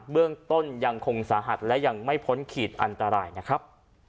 เบื้องต้นยังคงสาหัสและยังไม่พ้นขีดอันตรายนะครับ